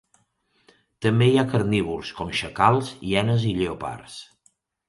També hi ha carnívors com xacals, hienes i lleopards.